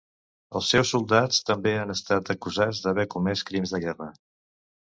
Els seus soldats també han estat acusats d'haver comès crims de guerra.